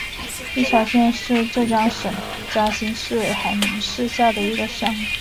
伊桥乡是浙江省嘉兴市海宁市下的一个乡。